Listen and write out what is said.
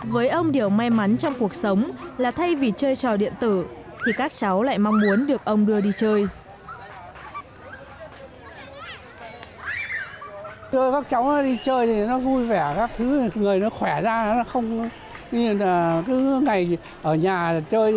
với ông điều may mắn trong cuộc sống là thay vì chơi trò điện tử thì các cháu lại mong muốn được ông đưa đi chơi